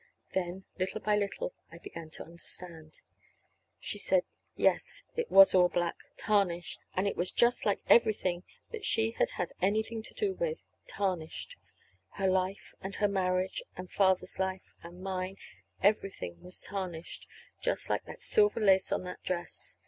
Then, little by little, I began to understand. She said yes, it was all black tarnished; and that it was just like everything that she had had anything to do with tarnished: her life and her marriage, and Father's life, and mine everything was tarnished, just like that silver lace on that dress.